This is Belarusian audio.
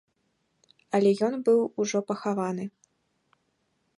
Але ён быў ужо пахаваны.